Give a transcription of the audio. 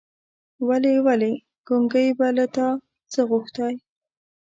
ولي! ولي! کڼکۍ به له تا څه غوښتاى ،